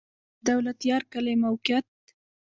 د دولتيار کلی موقعیت